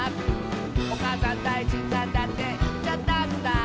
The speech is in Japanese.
「『おかあさんだいじんなんだ』っていっちゃったんだ」